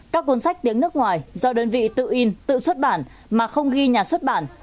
các cuốn sách tiếng nước ngoài do đơn vị tự in tự xuất bản mà không ghi nhà xuất bản